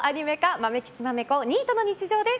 「まめきちまめこニートの日常」です。